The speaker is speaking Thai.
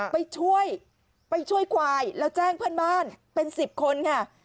ไปช่วยไปช่วยควายแล้วแจ้งเพื่อนบ้านเป็น๑๐คนค่ะ